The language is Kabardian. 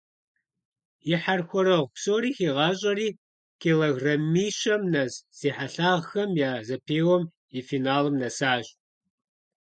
И хьэрхуэрэгъу псори хигъащӏэри, килограмми щэм нэс зи хьэлъагъхэм я зэпеуэм и финалым нэсащ.